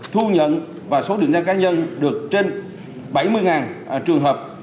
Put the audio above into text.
thu nhận và số định danh cá nhân được trên bảy mươi trường hợp